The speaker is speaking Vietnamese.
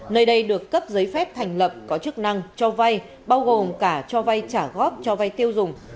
nơi đây được cấp giấy phép thành lập có chức năng cho vay bao gồm cả cho vay trả góp cho vay tiêu dùng